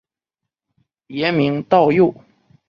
别名道佑。